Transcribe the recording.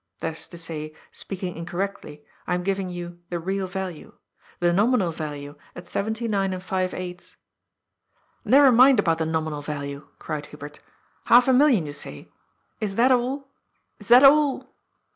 That is to say, speaking incorrectly, I am giving you the real value. The nominal value, at seventy nine and five eighths " "Never mind about the nominal value," cried Hu bert. "Half a million, you say? Is that all? Is that all?"